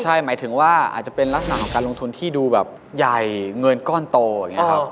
ใช่หมายถึงว่าอาจจะเป็นลักษณะของการลงทุนที่ดูแบบใหญ่เงินก้อนโตอย่างนี้ครับ